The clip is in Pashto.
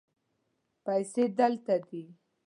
پیسې دلته دي